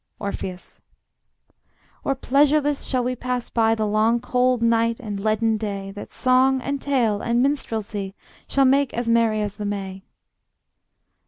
Orpheus: Or pleasureless shall we pass by The long cold night and leaden day, That song and tale and minstrelsy Shall make as merry as the May?